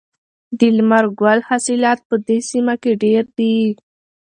د لمر ګل حاصلات په دې سیمه کې ډیر دي.